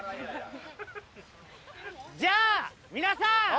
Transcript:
じゃあ、皆さん！